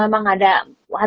dia mulai ngerasa kamu kenapa